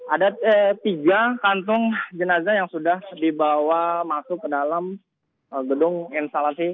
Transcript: ada tiga kantung jenazah yang sudah dibawa masuk ke dalam gedung instalasi